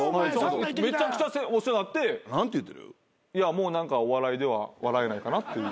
もうお笑いでは笑えないかなっていう。